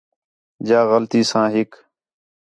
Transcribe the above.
جا غلطی ساں ہِک